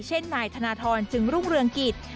เช่นนายธนทรจึงรุ่งเรืองกิจ